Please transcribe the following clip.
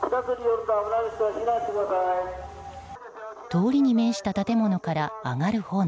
通りに面した建物から上がる炎。